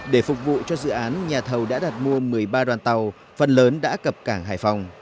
để phục vụ cho dự án nhà thầu đã đặt mua một mươi ba đoàn tàu phần lớn đã cập cảng hải phòng